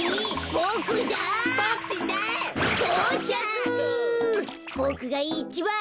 ボクがいちばん。